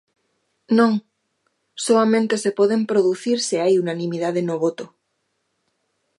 Non, soamente se poden producir se hai unanimidade no voto.